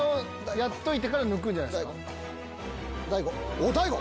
おぉ大悟！